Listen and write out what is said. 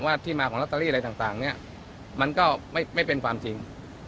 ที่มาของลอตเตอรี่อะไรต่างเนี่ยมันก็ไม่เป็นความจริง